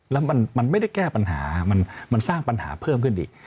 แล้วมันไม่ได้แก้ปัญหามันสร้างปัญหาเพิ่มขึ้นอีก